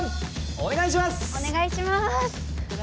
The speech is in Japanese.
お願いします。